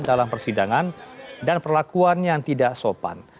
dalam persidangan dan perlakuan yang tidak sopan